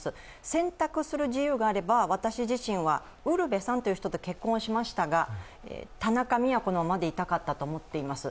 選択する自由があれば、私自身は、ウルヴェさんという人と結婚しましたが、田中京のままでいたかったと思います。